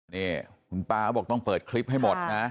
เนี่ยคุณป้าบอกต้องเปิดคลิปให้หมด